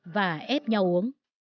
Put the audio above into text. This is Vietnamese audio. và ép nhau uống